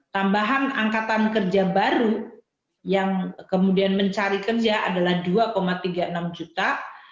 tambahan angkatan kerja baru yang kemudian mencari kerja adalah dua tiga puluh enam juta